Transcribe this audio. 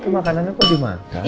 makanannya kok dimakan